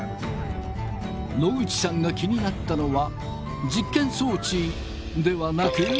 野口さんが気になったのは実験装置ではなく。